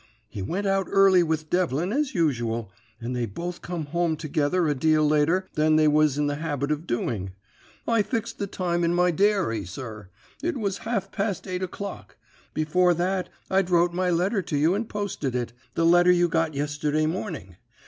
"He went out early with Devlin as usual, and they both come home together a deal later than they was in the habit of doing. I fixed the time in my dairy, sir; it was half past eight o'clock. Before that I'd wrote my letter to you and posted it the letter you got yesterday morning.